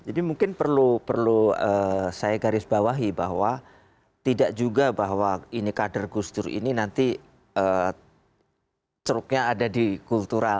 jadi mungkin perlu saya garis bawahi bahwa tidak juga bahwa ini kader gus dur ini nanti truknya ada di kultural